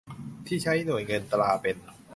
ที่ใช้หน่วยเงินตราเป็น